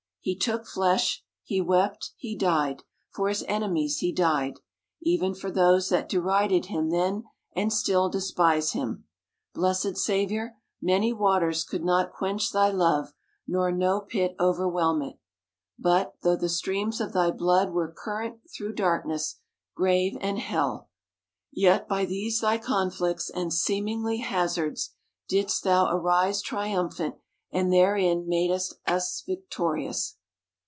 He took flesh, he wept, he died; for his enemies he died; even for those that derided him then, and still despise him. Blessed Saviour! many waters could not quench thy love, nor no pit over whelm it. But, though the streams of thy blood were current through darkness, grave, and hell ; yet by these thy conflicts, and seemingly hazards, didst thou arise triumphant, and therein madest us victorious.